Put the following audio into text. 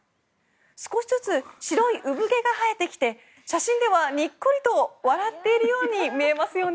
少しずつ白い産毛が生えてきて写真ではにっこりと笑っているように見えますよね。